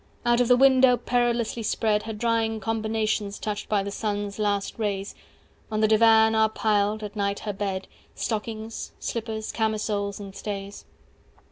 Out of the window perilously spread Her drying combinations touched by the sun's last rays, 225 On the divan are piled (at night her bed) Stockings, slippers, camisoles, and stays.